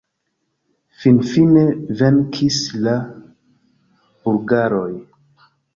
Finfine venkis la bulgaroj...